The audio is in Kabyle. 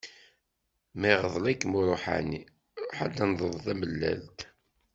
Ma iɣḍel-ikem uruḥani, ruḥ ad tenḍeḍ tamellalt.